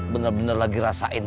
bener bener lagi rasain